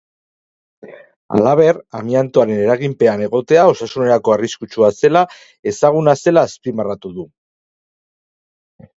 Halaber, amiantoaren eraginpean egotea osasunerako arriskutsua zela ezaguna zela azpimarratu du.